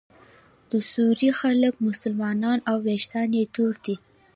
د سوریې خلک مسلمانان او ویښتان یې تور دي.